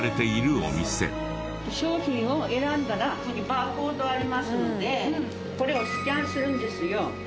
商品を選んだらここにバーコードありますのでこれをスキャンするんですよ。